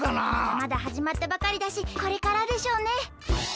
まだはじまったばかりだしこれからでしょうね。